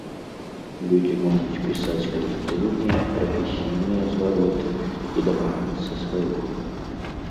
Людзі могуць пісаць калектыўныя, прафесійныя звароты і дамагацца свайго.